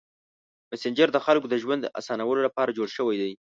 مسېنجر د خلکو د ژوند اسانولو لپاره جوړ شوی دی.